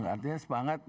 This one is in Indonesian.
artinya semangat dari